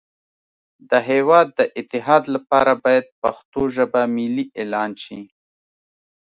د هیواد د اتحاد لپاره باید پښتو ژبه ملی اعلان شی